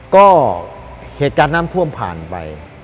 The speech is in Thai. ก็เหตุการณ์น้ำท่วมผ่านไป